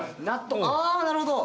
あなるほど。